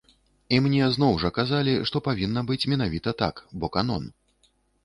І мне зноў жа казалі, што павінна быць менавіта так, бо канон.